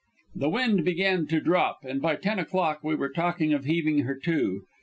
The wind began to drop, and by ten o'clock we were talking of heaving her to.